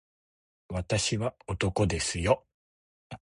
私は男ですよ